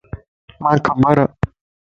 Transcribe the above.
مانک خبر ا.